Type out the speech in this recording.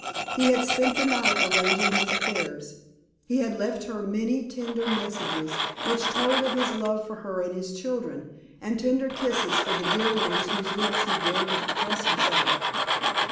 He had spent the night arranging his affairs. He had left her many tender messages, which told of his love for her and his children, and tender kisses for the dear ones whose lips he dared not press himself.